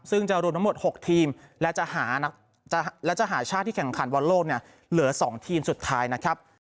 ซึ่งจะรวมทั้งหมด๖ทีมและจะหาชาติที่แข่งขันบอลโลกเนี่ยเหลือ๒ทีมสุดท้ายนะครับ